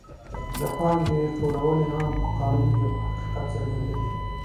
د پانګې ټولونې عام قانون یو حقیقت څرګندوي